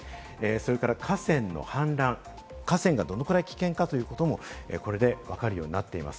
それから河川の氾濫、河川がどのくらい危険だということも、これで分かるようになっています。